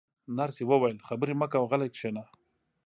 نرسې وویل: خبرې مه کوه، غلی کښېنه.